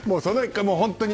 本当に。